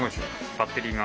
バッテリーが。